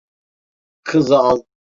Kızı al.